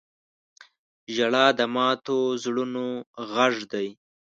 • ژړا د ماتو زړونو غږ دی.